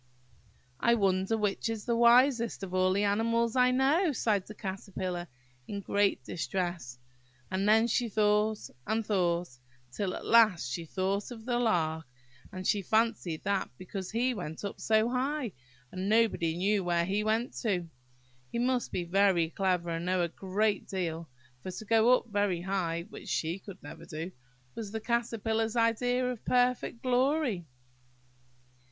"I wonder which is the wisest of all the animals I know," sighed the Caterpillar, in great distress; and then she thought, and thought, till at last she thought of the Lark; and she fancied that because he went up so high, and nobody knew where he went to, he must be very clever, and know a great deal; for to go up very high (which she could never do) was the Caterpillar's idea of perfect glory.